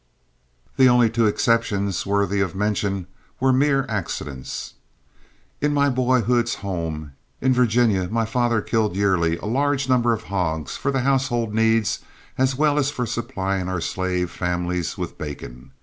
The only two exceptions worthy of mention were mere accidents. In my boyhood's home, in Virginia, my father killed yearly a large number of hogs for the household needs as well as for supplying our slave families with bacon.